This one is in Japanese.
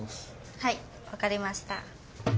はいわかりました。